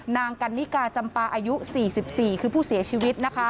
นางกันนิกาจำปาอายุ๔๔คือผู้เสียชีวิตนะคะ